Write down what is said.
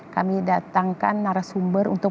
kami datangkan narasumber untuk